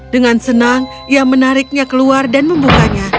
dengan senang ia menariknya keluar dan membukanya